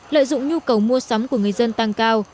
lợi dụng nhu cầu mua sắm của người dân tăng cao